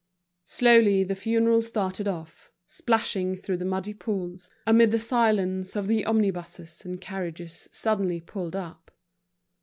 Slowly, the funeral started off, splashing through the muddy pools, amid the silence of the omnibuses and carriages suddenly pulled up.